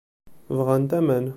Bɣant aman.